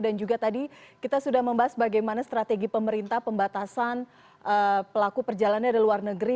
dan juga tadi kita sudah membahas bagaimana strategi pemerintah pembatasan pelaku perjalanan dari luar negeri